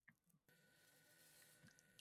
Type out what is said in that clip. Bo‘lgan Kalga ko‘zing tushmadimi?